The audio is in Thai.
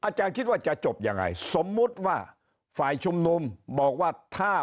อาจารย์คิดว่าจะจบยังไงสมมุติว่าฝ่ายชุมนุมบอกว่าถ้า